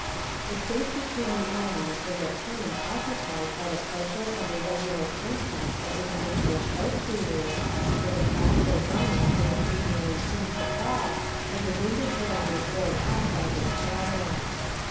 The space between the armies was at times occupied by the partial and irregular contest of individual sharp shooters, and a hat or bonnet was occasionally seen to fall, as a wounded man was borne off by his comrades.